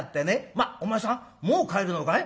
『まっお前さんもう帰るのかい？